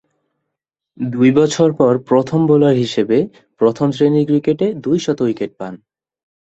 দুই বছর পর প্রথম বোলার হিসেবে প্রথম-শ্রেণীর ক্রিকেটে দুইশত উইকেট পান।